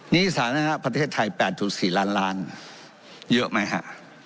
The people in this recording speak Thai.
นี่สามารถนะครับประเทศไทย๘ถูก๔ล้านล้านเยอะไหมครับ